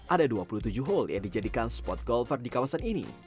ada dua puluh tujuh hall yang dijadikan spot golfer di kawasan ini